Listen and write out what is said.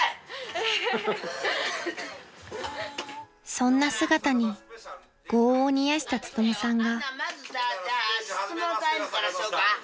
［そんな姿に業を煮やした努さんが］